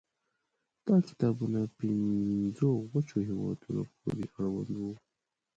دا کتابونه پنځو وچه هېوادونو پورې اړوند وو.